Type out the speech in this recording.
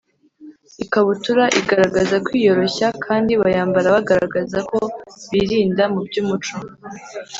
ikabutura, igaragaza kwiyoroshya kandi bayambara bagaragaza ko birinda mu by’umuco